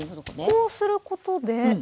こうすることで。